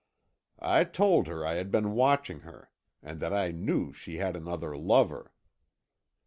"I told her I had been watching her, and that I knew she had another lover.